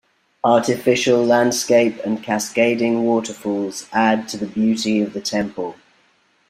Artificial landscape and cascading waterfalls add to the beauty of the temple.